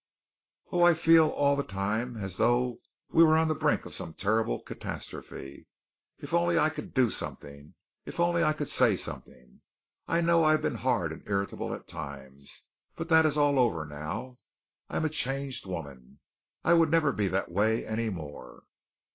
Oh, I feel all the time as though we were on the brink of some terrible catastrophe! If only I could do something; if only I could say something! I know I have been hard and irritable at times, but that is all over now. I am a changed woman. I would never be that way any more."